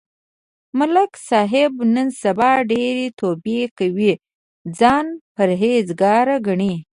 ملک صاحب نن سبا ډېرې توبې کوي، ځان پرهېز گار گڼي.